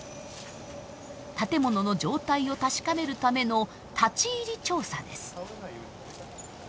建物の状態を確かめるための立ち入り調査です。